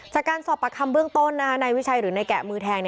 จากการสอบประคำเบื้องต้นนายวิชัยหรือนายแกะมือแทง